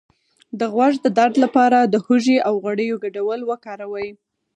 د غوږ د درد لپاره د هوږې او غوړیو ګډول وکاروئ